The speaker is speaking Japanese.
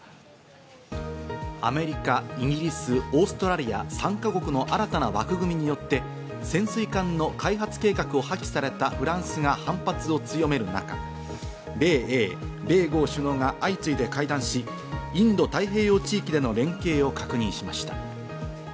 アメリカ、イギリス、オーストラリア、３か国の新たな枠組みによって潜水艦の開発計画を破棄されたフランスが反発を強める中、米英・米豪首脳が相次いで会談し、インド太平洋地域での連携を確認しました。